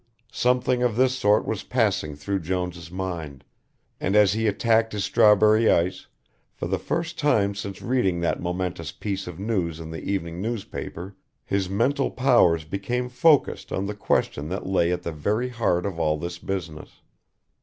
Something of this sort was passing through Jones' mind, and as he attacked his strawberry ice, for the first time since reading that momentous piece of news in the evening newspaper his mental powers became focussed on the question that lay at the very heart of all this business.